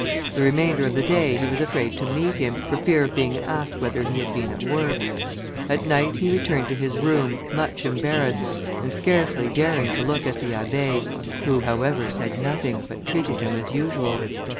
The remainder of the day he was afraid to meet him, for fear of being asked whether he had been at work. At night, he returned to his room, much embarrassed, and scarcely daring to look at the Abbé, who, however, said nothing, but treated him as usual.